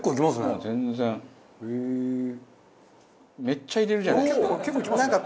めっちゃ入れるじゃないですか。